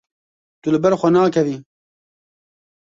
Tu li ber nakevî.